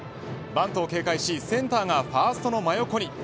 バントを警戒しセンターがファーストの真横に。